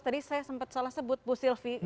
tadi saya sempat salah sebut bu sylvi